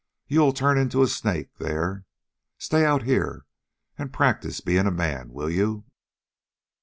You'll turn into a snake there. Stay out here and practice being a man, will you?